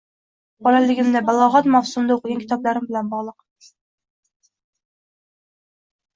bolaligimda — balog‘at mavsumida o‘qigan kitoblarim bilan bog‘liq.